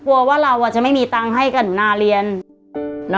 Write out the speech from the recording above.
ว่าเราจะไม่มีตังค์ให้กับหนูนาเรียน